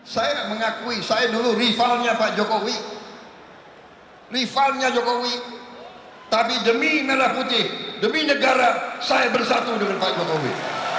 saya mengakui saya dulu rivalnya pak jokowi rivalnya jokowi tapi demi merah putih demi negara saya bersatu dengan pak jokowi